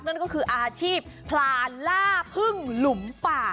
นั่นก็คืออาชีพพลานล่าพึ่งหลุมป่า